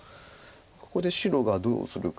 ここで白がどうするか。